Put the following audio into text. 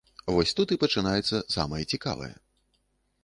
Вось тут і пачынаецца самае цікавае.